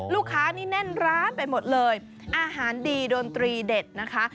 นี่แน่นร้านไปหมดเลยอาหารดีดนตรีเด็ดนะคะ